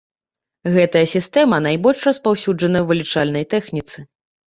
Гэтая сістэма найбольш распаўсюджаная ў вылічальнай тэхніцы.